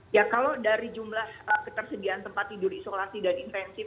ya kalau dari jumlah ketersediaan tempat tidur isolasi dan intensif